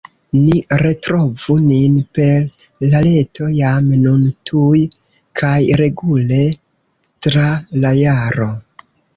Ni retrovu nin per la Reto jam nun tuj kaj regule tra la jaro!